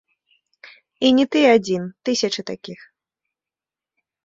І не ты адзін, тысячы такіх.